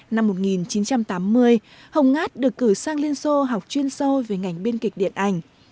năm một nghìn chín trăm tám mươi hồng ngát được cử sang liên xô học chuyên sâu về ngành biên kịch điện ảnh